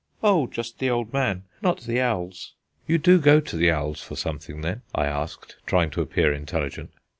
"Oh, just the old man, not the owls." "You do go to the owls for something, then?" I asked, trying to appear intelligent.